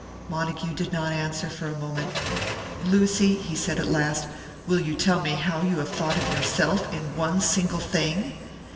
Montague did not answer, for a moment. "Lucy," he said at last, "will you tell me how you have thought of yourself in one single thing?"